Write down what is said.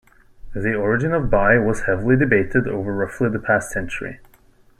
The origin of Bai was heavily debated over roughly the past century.